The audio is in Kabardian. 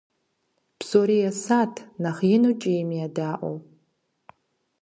Псори есат нэхъ ину кӀийм едаӀуэу.